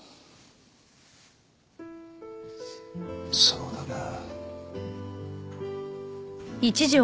そうだな。